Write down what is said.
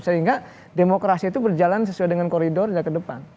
sehingga demokrasi itu berjalan sesuai dengan koridornya ke depan